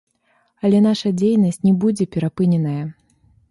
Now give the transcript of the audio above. Але наша дзейнасць не будзе перапыненая.